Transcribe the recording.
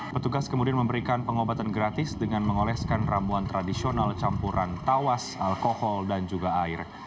petugas kemudian memberikan pengobatan gratis dengan mengoleskan ramuan tradisional campuran tawas alkohol dan juga air